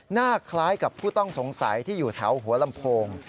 หน้าคล้ายกับผู้ต้องสงสัยที่อยู่แถวหัวลำโพง